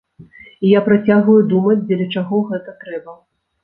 І я працягваю думаць, дзеля чаго гэта трэба.